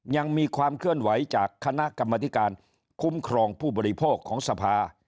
ยังมีความเคลื่อนไหวจากคณะกรรมธิการคุ้มครองผู้บริโภคของสภา